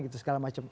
gitu segala macam